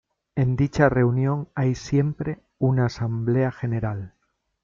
En dicha reunión hay siempre una Asamblea General.